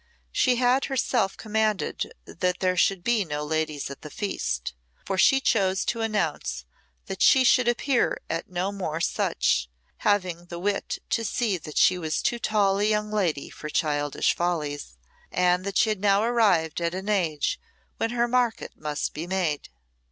She had herself commanded that there should be no ladies at the feast; for she chose to announce that she should appear at no more such, having the wit to see that she was too tall a young lady for childish follies, and that she had now arrived at an age when her market must be made.